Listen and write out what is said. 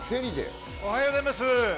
おはようございます。